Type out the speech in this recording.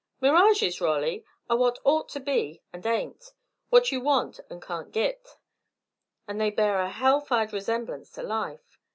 "Mirages, Rolly, are what ought to be and ain't, what you want and can't git, and they bear a hell fired resemblance to life.